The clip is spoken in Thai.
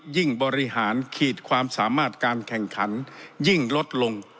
บริหารขีดความสามารถการแข่งขันยิ่งลดลง